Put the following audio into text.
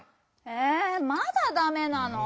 えまだダメなの？